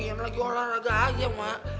yang lagi olahraga aja mak